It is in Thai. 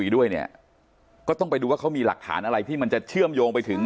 ด้วยเนี่ยก็ต้องไปดูว่าเขามีหลักฐานอะไรที่มันจะเชื่อมโยงไปถึง